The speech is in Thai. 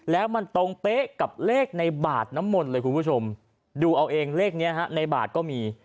แล้วมันตรงเป๊ะกับเลขในบาดน้ำมนต์เลยคุณผู้ชมดูเอาเองเลขนี้ฮะในบาทก็มี